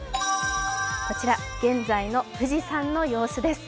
こちら現在の富士山の様子です。